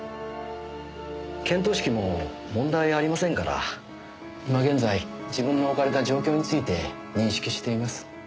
見当識も問題ありませんから今現在自分のおかれた状況について認識しています。